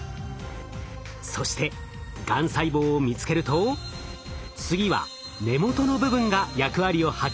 そしてがん細胞を見つけると次は根元の部分が役割を発揮するのです。